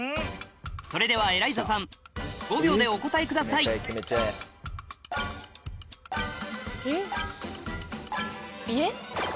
それではエライザさん５秒でお答えくださいえっ？